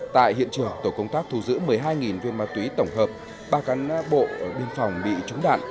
tại hiện trường tổ công tác thu giữ một mươi hai viên ma túy tổng hợp ba căn bộ ở biên phòng bị trúng đạn